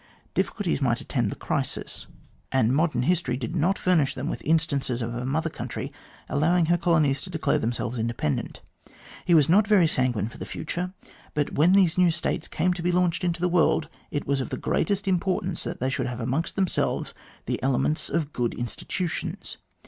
Difficulties might attend the crisis, and modern 236 THE GLADSTONE COLONY history did not furnish them with instances of a mother country allowing her colonies to declare themselves in dependent. He was not very sanguine for the future, but when these new States came to be launched into the world, it was of the greatest importance that they should have amongst themselves the elements of good institutions.